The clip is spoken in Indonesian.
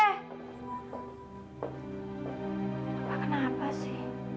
apa kenapa sih